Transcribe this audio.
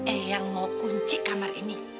eh yang mau kunci kamar ini